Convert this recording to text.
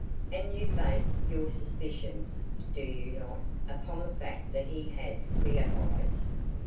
"And you base your suspicions, do you not, upon the fact that he has queer eyes?"